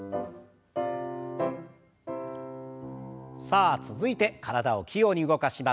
さあ続いて体を器用に動かします。